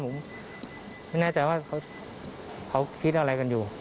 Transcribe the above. ผมไม่แน่ใจว่าเขาคิดอะไรกันอยู่